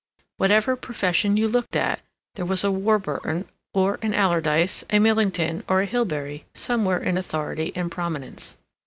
Whatever profession you looked at, there was a Warburton or an Alardyce, a Millington or a Hilbery somewhere in authority and prominence.